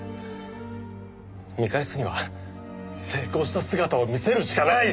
見返すには成功した姿を見せるしかない！